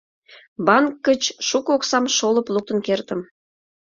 банк гыч шуко оксам шолып луктын кертым.